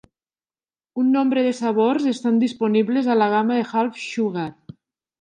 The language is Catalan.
Un nombre de sabors estan disponibles a la gama de Half Sugar.